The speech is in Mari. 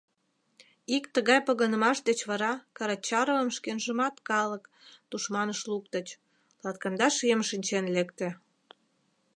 Ик тыгай погынымаш деч вара Карачаровым шкенжымат калык тушманыш луктыч, латкандаш ийым шинчен лекте.